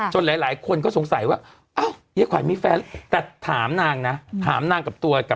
หลายคนก็สงสัยว่าอ้าวยายขวัญมีแฟนแต่ถามนางนะถามนางกับตัวกัน